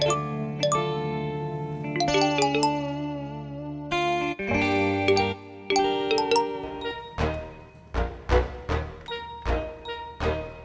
gak malahan sih